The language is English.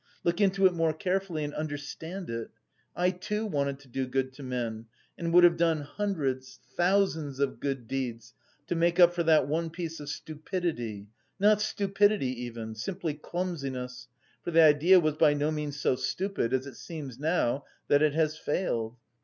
Look into it more carefully and understand it! I too wanted to do good to men and would have done hundreds, thousands of good deeds to make up for that one piece of stupidity, not stupidity even, simply clumsiness, for the idea was by no means so stupid as it seems now that it has failed....